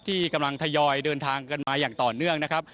ที่กำลังทยอยเดินทางกันมาอย่างต่อเนื่องนะครับ